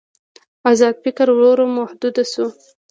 ازاد فکر ورو ورو محدود شو.